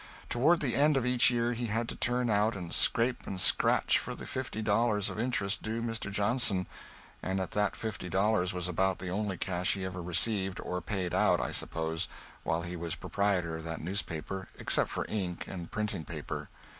Toward the end of each year he had to turn out and scrape and scratch for the fifty dollars of interest due Mr. Johnson, and that fifty dollars was about the only cash he ever received or paid out, I suppose, while he was proprietor of that newspaper, except for ink and printing paper.